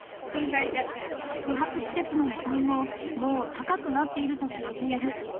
宿泊施設の値段ももう高くなっていると聞いている。